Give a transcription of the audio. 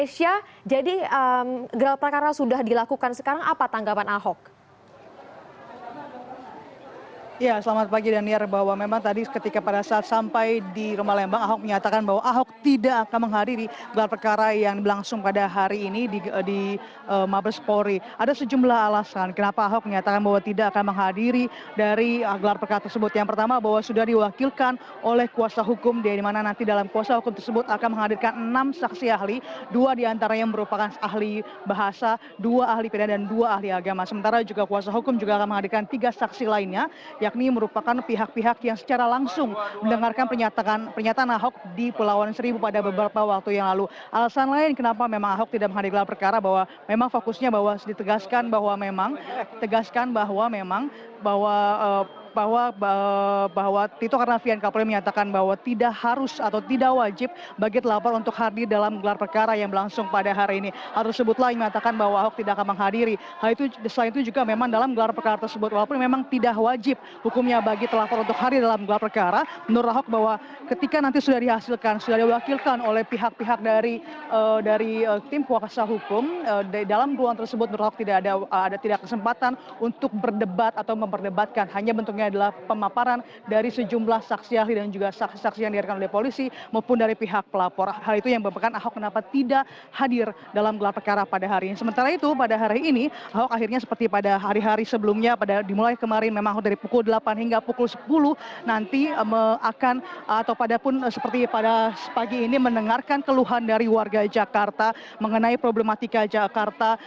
setelah itu pada hari ini ahok akhirnya seperti pada hari hari sebelumnya pada dimulai kemarin memang ahok dari pukul delapan hingga pukul sepuluh nanti akan atau padahal pun seperti pada pagi ini mendengarkan keluhan dari warga jakarta mengenai problematika jakarta